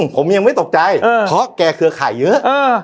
ผมยังไม่ตกใจเพราะแกเครือข่ายเยอะ